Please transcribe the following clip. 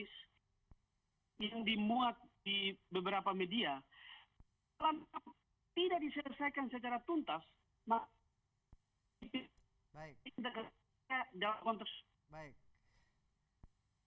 kalau tidak diselesaikan secara tuntas maka ini tidak akan jalan kontes